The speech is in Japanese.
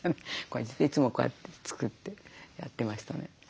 いつもこうやって作ってやってましたね。